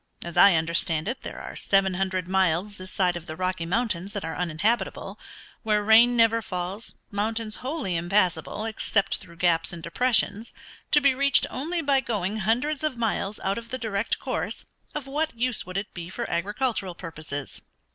As I understand it there are seven hundred miles this side of the Rocky Mountains that are uninhabitable; where rain never falls; mountains wholly impassable, except through gaps and depressions, to be reached only by going hundreds of miles out of the direct course.... Of what use would it be for agricultural purposes?